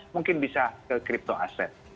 mungkin bisa ke crypto aset